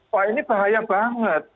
wah ini bahaya banget